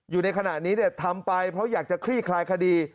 อยู่ในขณะนี้ทำไปเพราะอยากจะคลี่คลายคดี